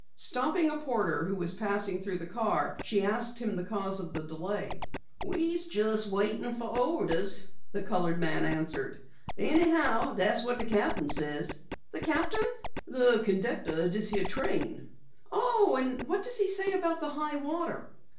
Stopping a porter who was passing through the car, she asked him the cause of the delay. "We'se waitin' fo' ordehs," the colored man answered. "Anyhow, dat's what de cap'n says." "The captain?" "The conducteh o' dis heah train." "Oh! And what does he say about the high water?"